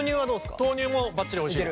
豆乳もばっちりおいしいです。